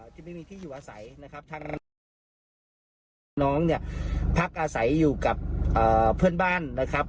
น้องเนี่ยพักอาศัยอยู่กับเพื่อนบ้านนะครับ